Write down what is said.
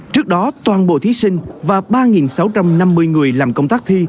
trước đó toàn bộ thí sinh và ba sáu trăm năm mươi người làm công tác thi